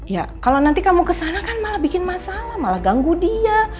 ya kalau nanti kamu kesana kan malah bikin masalah malah ganggu dia